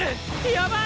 やばい！